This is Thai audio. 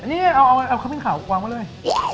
นี่เอาข้าวเพียงขาววางมาเลย